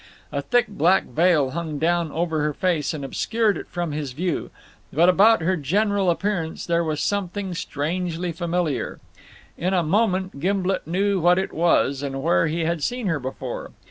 A thick black veil hung down over her face and obscured it from his view, but about her general appearance there was something strangely familiar. In a moment Gimblet knew what it was, and where he had seen her before.